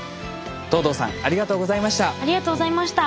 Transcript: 藤堂さんありがとうございました。